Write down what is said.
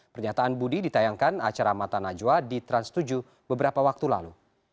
pernyataan budi ditayangkan acara mata najwa di trans tujuh beberapa waktu lalu